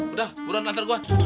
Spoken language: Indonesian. udah buruan latar gua